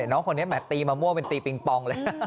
น้องคนนี้แหมตีมะม่วงเป็นตีปิงปองเลย